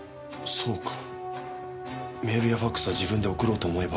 そうかメールやファックスは自分で送ろうと思えば送れる。